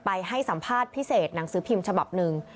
ให้สัมภาษณ์พิเศษหนังสือพิมพ์ฉบับหนึ่ง